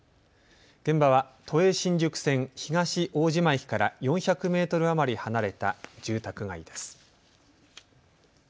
現場は都営新宿線東大島駅から４００メートル余り離れた住宅街です。